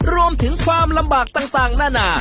รวมถึงความลำบากต่างนานา